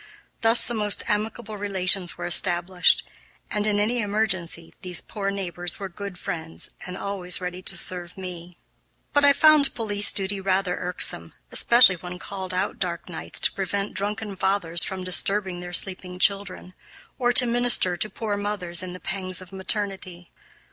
Thus the most amicable relations were established, and, in any emergency, these poor neighbors were good friends and always ready to serve me. But I found police duty rather irksome, especially when called out dark nights to prevent drunken fathers from disturbing their sleeping children, or to minister to poor mothers in the pangs of maternity.